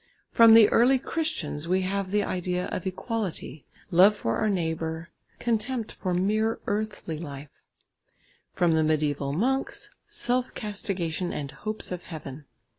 From the early Christians we have the idea of equality, love to our neighbour, contempt for mere earthly life; from the mediæval monks, self castigation and hopes of heaven.